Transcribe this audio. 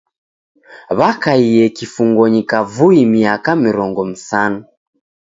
Wakaie kifungonyi kavui miaka mirongo msanu.